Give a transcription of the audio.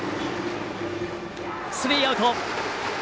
スリーアウト。